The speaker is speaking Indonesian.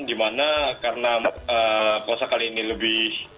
di mana karena puasa kali ini lebih